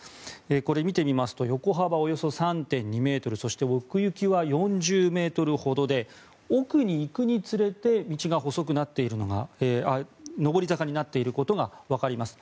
これ、見てみますと横幅およそ３．２ｍそして、奥行きは４０ｍほどで奥に行くにつれて上り坂になっていくのがわかります。